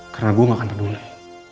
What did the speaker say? karena saya tidak akan peduli